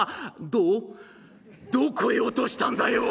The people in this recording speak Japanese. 「どこへ落としたんだよ！？」。